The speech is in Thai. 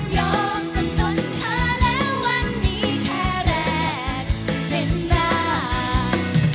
ยอมจำนวนเธอและวันนี้แค่แรกเห็นได้